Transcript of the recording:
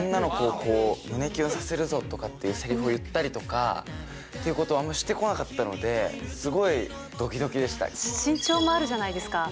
女の子を胸キュンさせるぞとかっていうせりふを言ったりとかっていうことをあんまりしてこなかったので、すごいどきどきでし身長もあるじゃないですか。